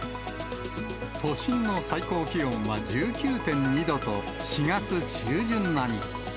都心の最高気温は１９．２度と、４月中旬並み。